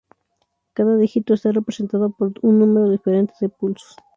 Cada dígito está representado por un número diferente de pulsos.